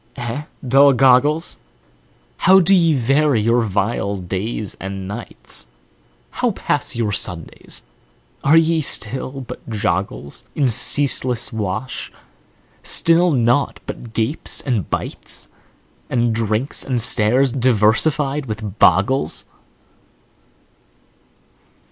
eh, dull goggles? How do ye vary your vile days and nights? How pass your Sundays? Are ye still but joggles In ceaseless wash? Still naught but gapes and bites, And drinks and stares, diversified with boggles?